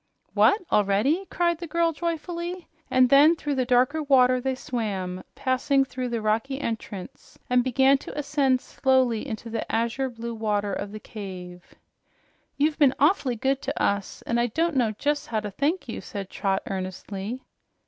"What, already?" cried the girl joyfully, and then through the dark water they swam, passing through the rocky entrance, and began to ascend slowly into the azure blue water of the cave. "You've been awfully good to us, and I don't know jus' how to thank you," said Trot earnestly.